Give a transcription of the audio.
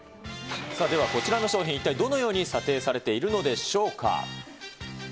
さあ、ではこちらの商品、一体どのように査定されているのでしょうか。